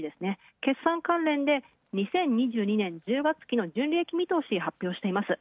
決算関連で２０２２年１０月期の純利益見通し発表しています。